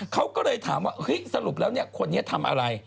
เขาก็เลยถามว่าเฮ้ยสรุปแล้วคนนี้ทำอะไร